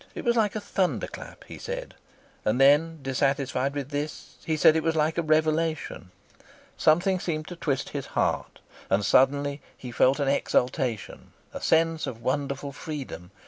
It was like a thunder clap, he said, and then, dissatisfied with this, he said it was like a revelation. Something seemed to twist his heart, and suddenly he felt an exultation, a sense of wonderful freedom.